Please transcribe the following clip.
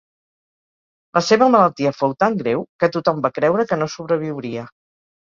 La seva malaltia fou tan greu que tothom va creure que no sobreviuria.